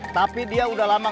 tapi dia udah lama gak nyopet